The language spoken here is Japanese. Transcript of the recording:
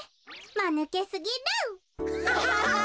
まぬけすぎる。